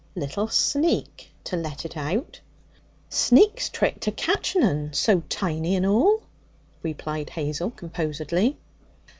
'Little sneak, to let it out.' 'Sneak's trick to catchen un, so tiny and all,' replied Hazel composedly.